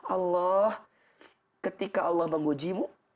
allah ketika allah menguji mu